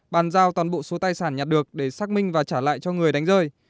bàn giao toàn bộ số tài sản nhặt được để xác minh và trả lại cho người đánh rơi